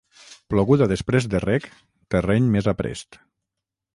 Ploguda després de reg, terreny més aprest.